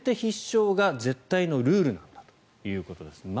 必勝が絶対のルールなんだということです。